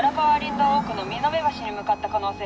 道奥の美濃部橋に向かった可能性あり。